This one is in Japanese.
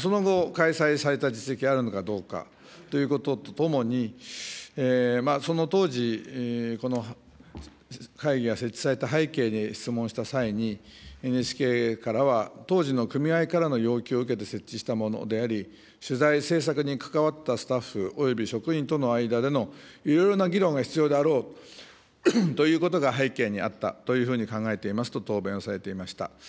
その後、開催された実績があるのかどうかということとともに、その当時、この会議が設置された背景に、質問した際に、ＮＨＫからは、当時の組合からの要求を受けて設置したものであり、取材、制作に関わったスタッフ、および職員との間でのいろいろな議論が必要であろうということが背景にあったというふうに考えていますと答弁をされていました。